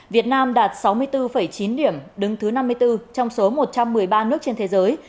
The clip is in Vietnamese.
việt nam đạt sáu mươi bốn chín điểm đứng thứ năm mươi bốn trong số một trăm một mươi ba nước trên thế giới